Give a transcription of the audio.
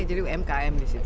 jadi umkm di situ